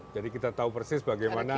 jadi kita tahu persis bagaimana